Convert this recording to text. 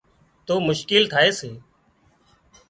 تو مشڪل ٿائي سي